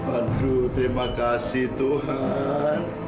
aduh terima kasih tuhan